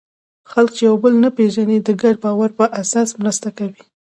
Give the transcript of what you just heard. خلک چې یو بل نه پېژني، د ګډ باور په اساس مرسته کوي.